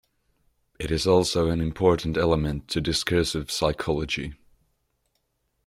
It is also an important element to discursive psychology.